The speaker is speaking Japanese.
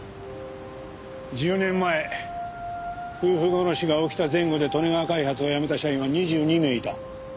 １０年前夫婦殺しが起きた前後で利根川開発を辞めた社員は２２名いた。